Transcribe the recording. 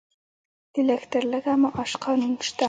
د لږ تر لږه معاش قانون شته؟